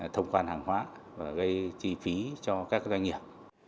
thông quan hàng hóa và gây chi phí cho các doanh nghiệp